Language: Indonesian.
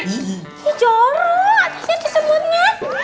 ih ih jorok harusnya di semutnya